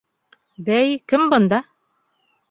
Бәй, кем бында?